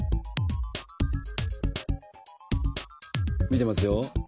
見てますよ。